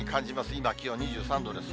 今、気温２３度です。